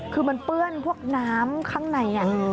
คือมันเปื้อนพวกน้ำข้างใน